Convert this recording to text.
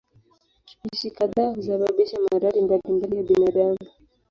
Spishi kadhaa husababisha maradhi mbalimbali ya binadamu.